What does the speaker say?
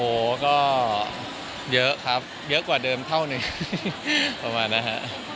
โอ้โหก็เยอะครับเยอะกว่าเดิมเท่านึงประมาณนะฮะ